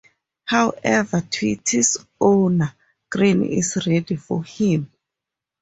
However, Tweety's owner, Granny is ready for him.